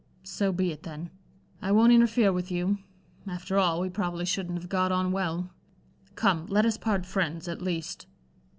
"So be it, then. I won't interfere with you. After all, we probably shouldn't have got on well. Come let us part friends, at least."